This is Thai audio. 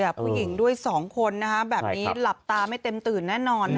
คุณผู้หญิงด้วยสองคนนะครับแบบนี้หลับตาไม่เต็มตื่นแน่นอนนะครับ